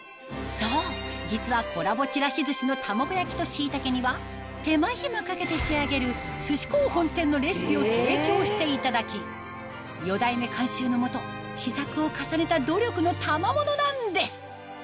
そう実はコラボちらし寿司の玉子焼きとしいたけ煮は手間暇かけて仕上げる寿司幸本店のレシピを提供していただき四代目監修の下試作を重ねた努力のたまものなんです